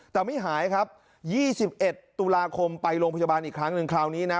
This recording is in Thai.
แต่ไม่หายครับ๒๑ตุลาคมไปโรงพยาบาลอีกครั้งหนึ่งคราวนี้นะ